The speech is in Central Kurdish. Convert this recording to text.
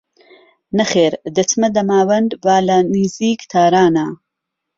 نەخێر دەچمە دەماوەند وا لە نیزیک تارانە